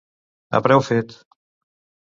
A preu fet.